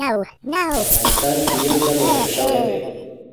افغانستان کې یو تن وژل شوی دی